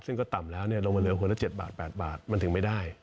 ซึ่งก็ต่ำแล้วลงมาเหลือคนละ๗บาท๘บาทมันถึงไม่ได้